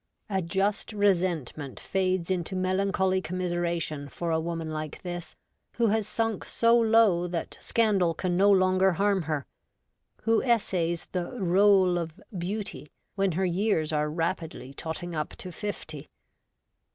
A just resentment fades into melancholy commiseration for a woman like this, who has sunk so low that scandal can no longer harm her ; who essays the role of ' beauty ' when her years are rapidly totting up to fifty.